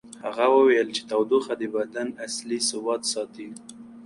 هغه وویل چې تودوخه د بدن اصلي ثبات ساتي.